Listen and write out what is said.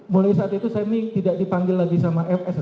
mulai saat itu semi tidak dipanggil lagi sama fs